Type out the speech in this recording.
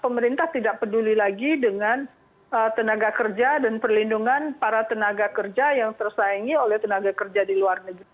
pemerintah tidak peduli lagi dengan tenaga kerja dan perlindungan para tenaga kerja yang tersaingi oleh tenaga kerja di luar negeri